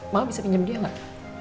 mama bisa pinjam dia gak